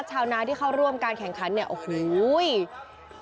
ชาวนาที่เข้าร่วมการแข่งขันเนี่ยโอ้โห